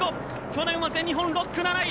去年は全日本６区、７位。